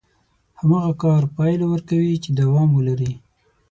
هماغه کار پايله ورکوي چې دوام ولري.